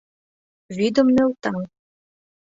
Вӱдым нӧлта.